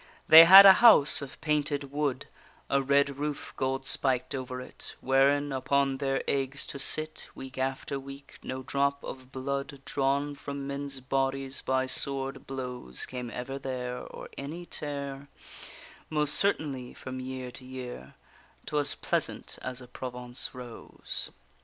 They had a house of painted wood, A red roof gold spiked over it, Wherein upon their eggs to sit Week after week; no drop of blood, Drawn from men's bodies by sword blows, Came ever there, or any tear; Most certainly from year to year 'Twas pleasant as a Provence rose.